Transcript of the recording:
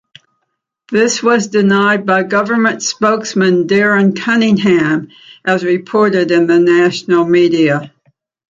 This was denied by government spokesman Darren Cunningham, as reported in the national media.